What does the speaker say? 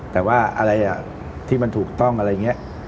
แต่ว่าอะไรที่มันถูกต้องอะไรอย่างนี้